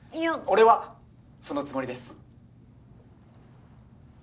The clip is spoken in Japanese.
俺はそのつもりです。